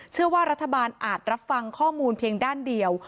เชื่อว่ารัฐบาลอาจรับฟังข้อมูลเพียงด้านเดียว